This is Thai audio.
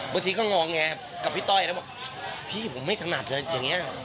บางทีก็ง้องแงกับพี่ต้อยพี่ผมไม่ถนัดเลยอย่างเงี้ย